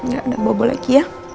enggak ada bobol lagi ya